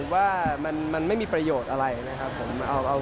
ผมว่ามันไม่มีประโยชน์อะไรนะครับผม